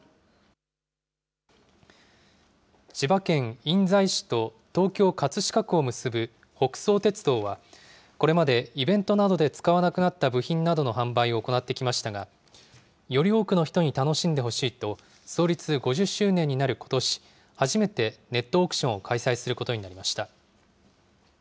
千葉県印西市と東京・葛飾区を結ぶ北総鉄道は、これまでイベントなどで使わなくなった部品などの販売を行ってきましたが、より多くの人に楽しんでほしいと、創立５０周年になることし、初めてネットオークションを開催することになりました。